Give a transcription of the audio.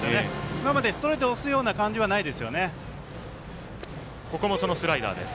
今まで、ストレートで押すような感じはないですね。